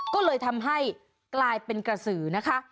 ก็เลยทำให้กลายเป็นกระสือนะคะ